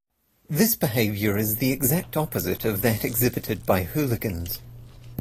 This behavior is the exact opposite of that exhibited by hooligans.